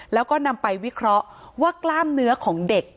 แล้วก็นำไปวิเคราะห์ว่ากล้ามเนื้อของเด็ก